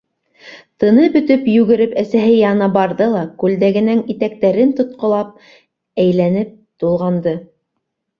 Тыны бөтөп йүгереп әсәһе янына барҙы ла, күлдәгенең итәктәрен тотҡолап, әйләнеп тулғанды.